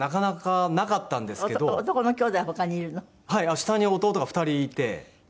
下に弟が２人いて。